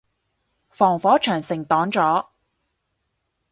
防火長城擋咗